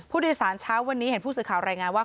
ผู้โดยสารเช้าวันนี้เห็นผู้สื่อข่าวรายงานว่า